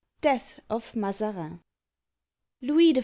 DEATH OF MAZARIN LOUIS XIV.